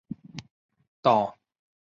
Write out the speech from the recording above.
到了车站